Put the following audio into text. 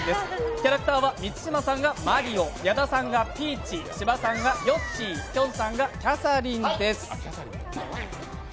キャラクターは満島さんがマリオ、矢田さんがピーチ、芝さんがヨッシー、きょんさんがキャサリンです。